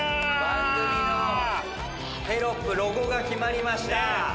番組のテロップロゴが決まりました。